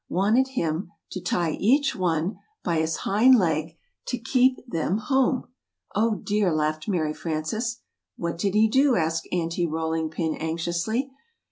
wanted him to tie each one by his hind leg to keep them home oh, dear," laughed Mary Frances. "What did he do?" asked Aunty Rolling Pin, anxiously.